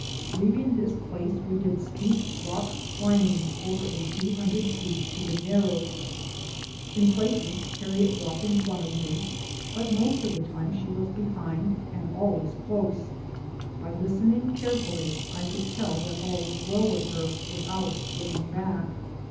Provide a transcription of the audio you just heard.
Leaving this place we did steep rock climbing over a few hundred feet to the Narrows. In places Harriet walked in front of me; but most of the time she was behind, and always close. By listening carefully I could tell that all was well with her without looking back.